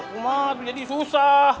kumat jadi susah